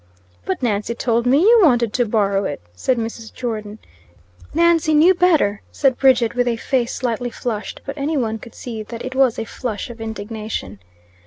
"But Nancy told me you wanted to borrow it," said Mrs. Jordon. "Nancy knew better," said Bridget, with a face slightly flushed; but any one could see that it was a flush of indignation.